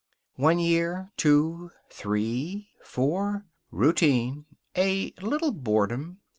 One year; two; three; four. Routine. A little boredom.